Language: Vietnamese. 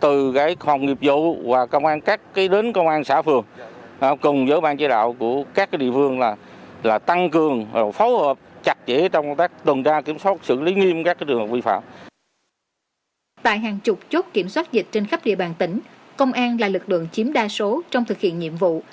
tại hàng chục chốt kiểm soát dịch trên khắp địa bàn tỉnh công an là lực lượng chiếm đa số trong thực hiện nhiệm vụ